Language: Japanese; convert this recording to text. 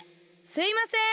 「すいません